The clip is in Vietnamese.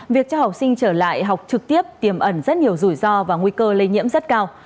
việc cho học sinh trở lại học trực tiếp tiềm ẩn rất nhiều rủi ro và nguy cơ lây nhiễm rất cao